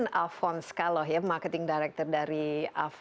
ada ryan afon skalloh ya marketing director dari afon